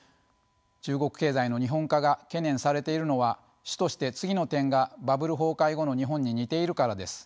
中国経済の「日本化」が懸念されているのは主として次の点がバブル崩壊後の日本に似ているからです。